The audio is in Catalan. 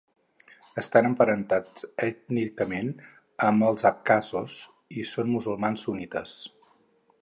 Estan emparentats ètnicament amb els abkhazos, i són musulmans sunnites.